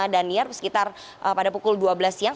daniar sekitar pada pukul dua belas siang